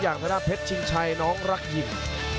อย่างทะดาะเพชรชิงชัยน้องรักหยิ่ง